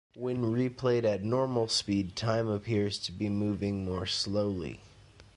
When replayed at normal speed, time appears to be moving more slowly.